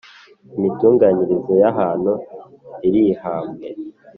Imitunganyirize y ‘ahantu irihamwe.